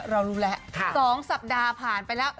เรารู้แล้ว๒สัปดาห์ผ่านไปแล้ว